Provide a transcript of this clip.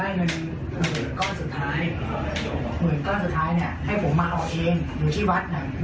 พ่ออาจารย์ท่านจะให้หมดเลยครับ